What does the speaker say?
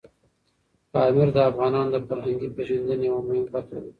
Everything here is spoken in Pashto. پامیر د افغانانو د فرهنګي پیژندنې یوه مهمه برخه ده.